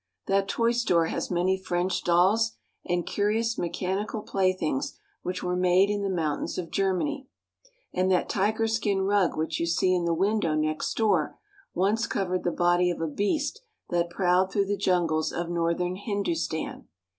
That toy store has many French dolls, and curious mechanical playthings which were made in the mountains of Germany ; and that tiger skin rug which you see in the window next door once covered the body of a beast that prowled through the jungles of northern Hindu stan.